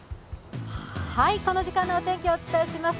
この時間のお天気をお伝えします。